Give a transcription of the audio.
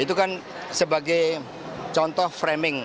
itu kan sebagai contoh framing